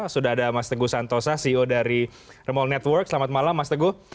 sudah ada mas teguh santosa ceo dari remall network selamat malam mas teguh